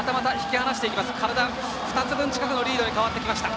体２つ分のリードに変わってきました。